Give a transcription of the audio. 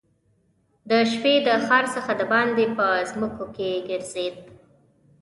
د شپې د ښار څخه دباندي په مځکو کې ګرځېد.